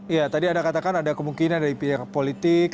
ya tadi anda katakan ada kemungkinan dari pihak politik